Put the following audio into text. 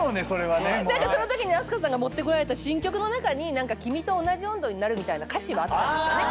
そのときにＡＳＫＡさんが持ってこられた新曲の中に君と同じ温度になるみたいな歌詞はあったんですよね。